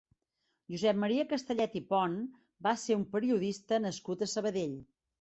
Josep Maria Castellet i Pont va ser un periodista nascut a Sabadell.